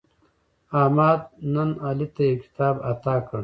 احمد نن علي ته یو کتاب اعطا کړ.